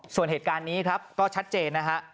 ส่วนเหตุการณ์นี้ครับก็ชัดเจนนะฮะ